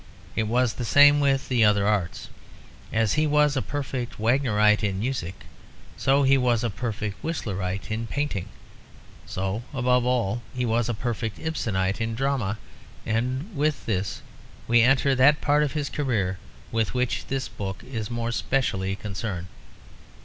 It was the same with the other arts. As he was a Perfect Wagnerite in music, so he was a Perfect Whistlerite in painting; so above all he was a Perfect Ibsenite in drama. And with this we enter that part of his career with which this book is more specially concerned.